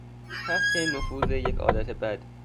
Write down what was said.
تحت نفوذ یک عادت بد